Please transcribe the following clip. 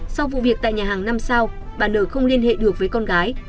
sau vụ việc tại nhà hàng năm sao bà nở không liên hệ được với con gái